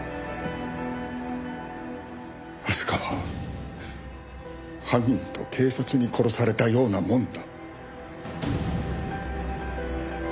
明日香は犯人と警察に殺されたようなもんだ。